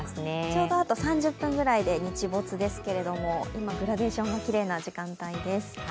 ちょうど、あと３０分くらいで日没ですけれども、今、グラデーションがきれいな時間帯です。